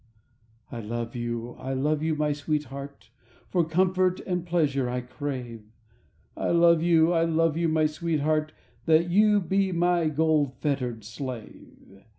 ... "I love you, I love you, my sweetheart— For comfort and pleasure I crave; I love you, I love you, my sweetheart, Then you be my gold fettered slave.